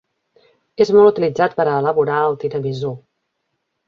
És molt utilitzat per a elaborar el tiramisú.